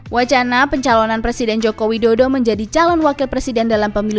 wacana pencalonan presiden joko widodo menjadi calon wakil presiden dalam pemilu dua ribu sembilan belas